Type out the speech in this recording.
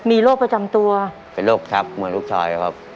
มีโรคประจำตัวเป็นโรคชักเหมือนลูกชายครับ